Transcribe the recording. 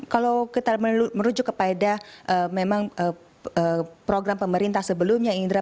kalau kita merujuk kepada memang program pemerintah sebelumnya indra